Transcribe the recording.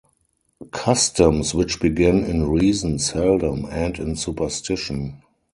Customs which begin in reason seldom end in superstition.